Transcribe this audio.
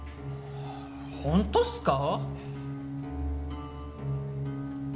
ホントっすか？